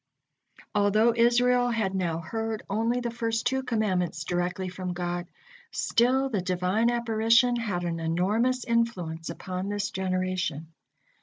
'" Although Israel had now heard only the first two commandments directly from God, still the Divine apparition had and enormous influence upon this generation.